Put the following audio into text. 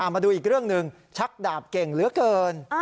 มาดูอีกเรื่องหนึ่งชักดาบเก่งเหลือเกิน